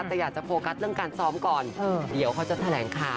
แต่อยากจะโฟกัสเรื่องการซ้อมก่อนเดี๋ยวเขาจะแถลงข่าว